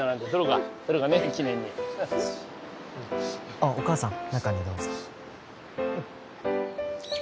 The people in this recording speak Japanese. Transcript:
あっお母さん中にどうぞ。